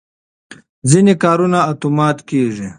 ځینې کارونه اتومات کېږي.